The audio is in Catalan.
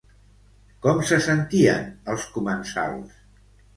Com se sentien els comensals?